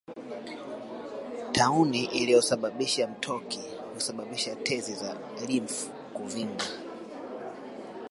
Tauni inayosababisha mtoki husababisha tezi za limfu kuvimba